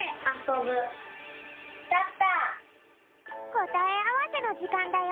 こたえあわせのじかんだよ。